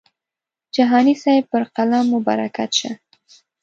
جهاني صاحب پر قلم مو برکت شه.